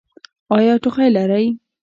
ایا ټوخی لرئ؟